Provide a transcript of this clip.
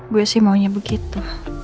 gue sih maunya begitu